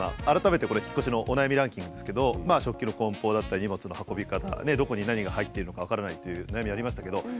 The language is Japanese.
改めてこれ引っ越しのお悩みランキングですけど食器のこん包だったり荷物の運び方どこに何が入っているのか分からないという悩みありましたけど。